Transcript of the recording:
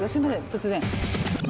突然。